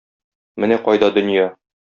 Менә кайда дөнья!